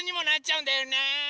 うん！